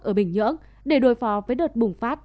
ở bình nhưỡng để đối phó với đợt bùng phát